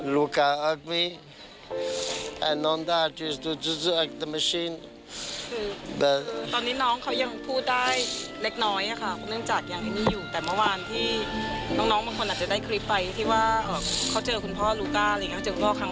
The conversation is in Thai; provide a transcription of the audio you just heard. พวกเขาสามารถกลับไปแล้วพวกเขาต้องกลับไป